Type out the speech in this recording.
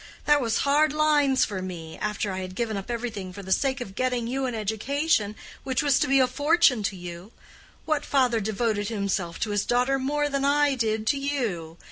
That was hard lines for me, after I had given up everything for the sake of getting you an education which was to be a fortune to you. What father devoted himself to his daughter more than I did to you?